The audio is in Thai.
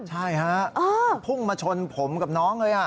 ใช่ฮะพุ่งมาชนผมกับน้องเลย